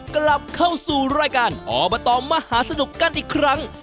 กลับเข้าสู่รายการอบตมหาสนุกกันอีกครั้ง